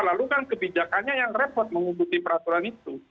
lalu kan kebijakannya yang repot mengikuti peraturan itu